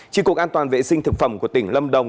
chỉ cuộc an toàn vệ sinh thực phẩm của tỉnh lâm đồng